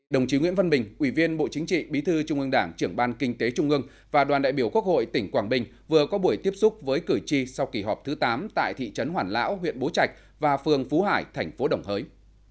đồng chí nguyễn văn bình ủy viên bộ chính trị bí thư trung ương đảng trưởng ban kinh tế trung ương và đoàn đại biểu quốc hội tỉnh quảng bình vừa có buổi tiếp xúc với cử tri sau kỳ họp thứ tám tại thị trấn hoàn lão huyện bố trạch và phường phú hải thành phố đồng hới